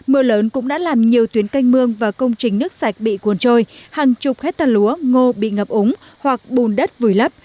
mưa lớn cũng đã làm nhiều tuyến canh mương và công trình nước sạch bị cuốn trôi hàng chục hectare lúa ngô bị ngập úng hoặc bùn đất vùi lấp